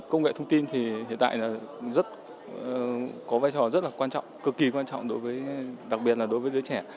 công nghệ thông tin hiện tại có vai trò rất là quan trọng cực kỳ quan trọng đặc biệt là đối với giới trẻ